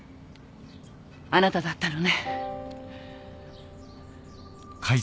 あなただったのね？